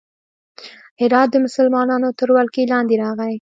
هرات د مسلمانانو تر ولکې لاندې راغی.